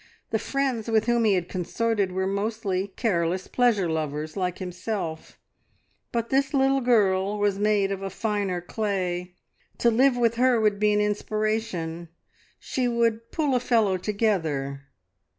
The friends with whom he had consorted were mostly careless pleasure lovers like himself, but this little girl was made of a finer clay. To live with her would be an inspiration: she would "pull a fellow together."